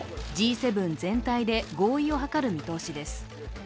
Ｇ７全体で合意を図る見通しです。